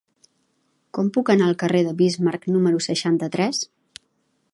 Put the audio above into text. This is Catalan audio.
Com puc anar al carrer de Bismarck número seixanta-tres?